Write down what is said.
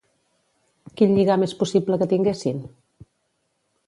Quin lligam és possible que tinguessin?